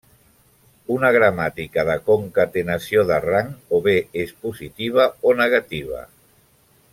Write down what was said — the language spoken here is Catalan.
Una gramàtica de concatenació de rang o bé és positiva o negativa.